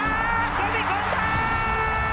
飛び込んだ！